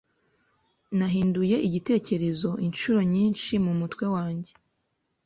Nahinduye igitekerezo inshuro nyinshi mumutwe wanjye